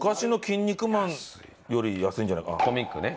コミックね。